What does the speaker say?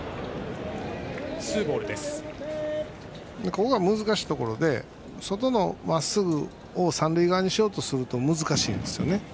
ここは難しいところで外のまっすぐを三塁側にしようとすると難しいんですよね。